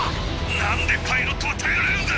なんでパイロットは耐えられるんだ？